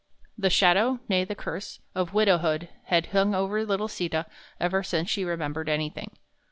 The shadow nay, the curse of widowhood had hung over little Sita ever since she remembered anything.